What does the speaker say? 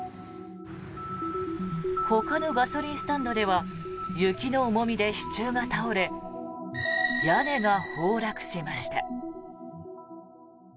ほかのガソリンスタンドでは雪の重みで支柱が倒れ屋根が崩落しました。